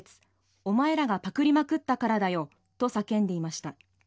お前らがパクリまくったからだよと叫んでいました。